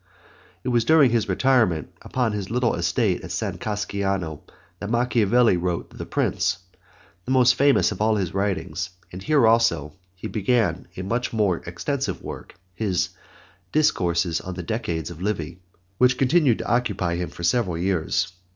It was during his retirement upon his little estate at San Casciano that Machiavelli wrote The Prince, the most famous of all his writings, and here also he had begun a much more extensive work, his Discourses on the Decades of Livy, which continued to occupy him for several years.